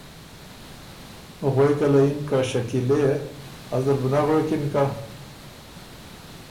غوېکه له یِن که ”شکیلے! از دل بُو نک غوېکِن که